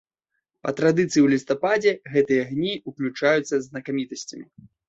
Па традыцыі ў лістападзе гэтыя агні ўключаюцца знакамітасцямі.